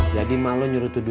jadi mak lu nyuruh tu duitnya